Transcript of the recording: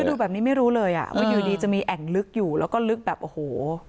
ดูแบบนี้ไม่รู้เลยอ่ะว่าอยู่ดีจะมีแอ่งลึกอยู่แล้วก็ลึกแบบโอ้โห